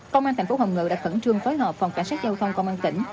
công an thành phố hồng ngự đã khẩn trương phối hợp phòng cảnh sát giao thông công an tỉnh